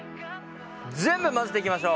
全部混ぜていきましょう。